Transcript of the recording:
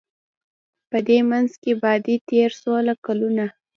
په دې منځ کي باندی تېر سوله کلونه